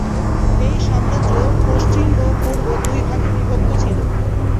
এই সাম্রাজ্য পশ্চিম ও পূর্ব দুই ভাগে বিভক্ত ছিল।